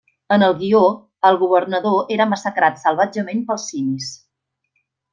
En el guió, el governador era massacrat salvatgement pels simis.